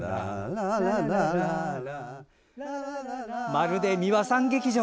まるで、美輪さん劇場。